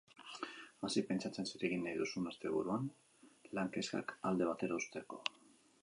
Hasi pentsatzen zer egin nahi duzun asteburuan, lan kezkak alde batera uzteko.